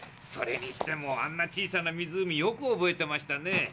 それにしてもあんな小さな湖よく覚えてましたね？